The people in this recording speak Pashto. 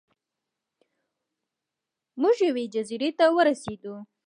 موږ یوې جزیرې ته ورسیدو.